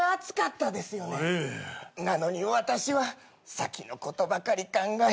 なのに私は先のことばかり考え